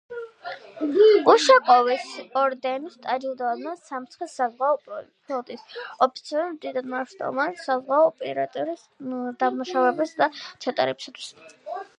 უშაკოვის ორდენით აჯილდოებდნენ სამხედრო-საზღვაო ფლოტის ოფიცრებს დიდმნიშვნელოვანი საზღვაო ოპერაციების დამუშავებისა და ჩატარებისათვის.